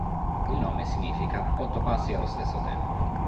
Il nome significa "otto passi allo stesso tempo".